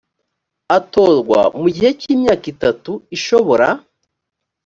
atorwa mu gihe cy imyaka itatu ishobora